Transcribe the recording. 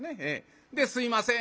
で「すいません」